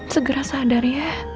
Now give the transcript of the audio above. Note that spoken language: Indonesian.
segera sadar ya